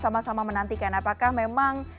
sama sama menantikan apakah memang